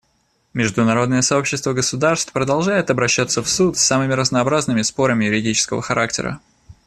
Международное сообщество государств продолжает обращаться в Суд с самыми разнообразными спорами юридического характера.